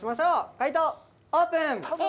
解答オープン！